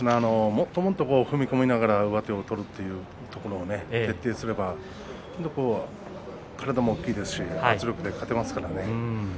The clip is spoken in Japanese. もっともっと踏み込みながら上手を取るというところを徹底すれば体も大きいですし圧力で勝てますからね。